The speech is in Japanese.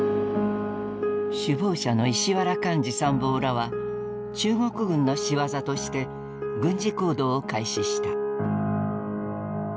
首謀者の石原莞爾参謀らは中国軍のしわざとして軍事行動を開始した。